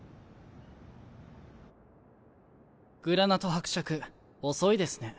グラナト伯爵遅いですね。